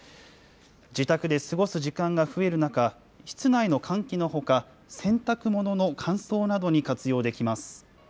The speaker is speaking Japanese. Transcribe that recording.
自宅で過ごす時間が増える中、室内の換気のほか、洗濯物の乾燥などに活用できます。